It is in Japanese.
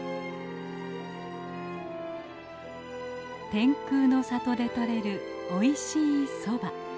天空の里で採れるおいしいソバ。